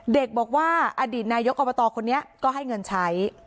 เด็กบอกว่าอดีตนายกอบตคนนี้ก็ให้เงินใช้